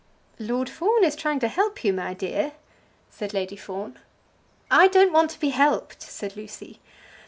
"Lord Fawn is trying to help you, my dear," said Lady Fawn. "I don't want to be helped," said Lucy.